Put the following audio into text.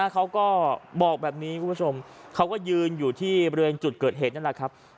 เขาก็บอกแบบนี้คุณผู้ชมเขาก็ยืนอยู่ที่บริเวณจุดเกิดเหตุนั่นแหละครับ